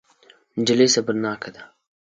نجلۍ صبرناکه ده.